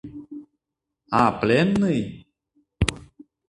А пленный?